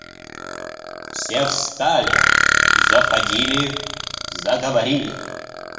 Все встали, заходили, заговорили.